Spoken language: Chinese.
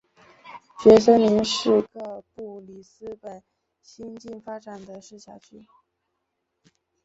蕨森林是个布里斯本新近发展的市辖区。